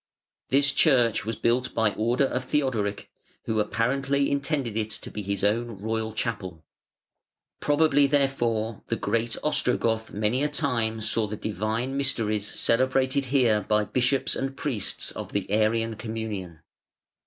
This church was built by order of Theodoric, who apparently intended it to be his own royal chapel. Probably, therefore, the great Ostrogoth many a time saw "the Divine mysteries" celebrated here by bishops and priests of the Arian communion.